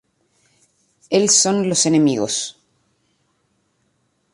El son los enemigos.